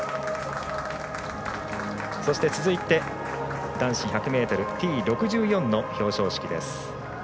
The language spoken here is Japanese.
続いて、男子１００ｍＴ６４の表彰式です。